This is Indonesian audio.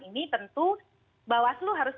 ini tentu bawas lo harus